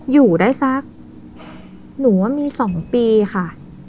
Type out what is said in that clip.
อยู่ได้สักหนูว่ามี๒ปีค่ะ